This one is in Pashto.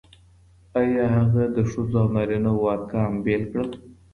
آيا هغه د ښځو او نارينه وو ارقام بېل کړل؟